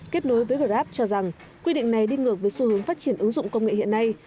kết nối với grab cho rằng quy định này đi ngược với xu hướng phát triển ứng dụng công nghệ hiện nay